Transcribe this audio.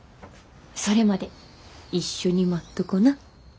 それまで一緒に待っとこな？